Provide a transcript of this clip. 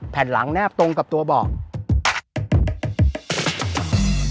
แผ่นหลังแนบตรงกับตัวเบาะ